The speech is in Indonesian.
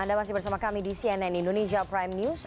anda masih bersama kami di cnn indonesia prime news